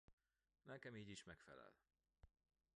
Nekem így is megfelel.